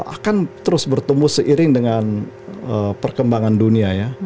akan terus bertumbuh seiring dengan perkembangan dunia ya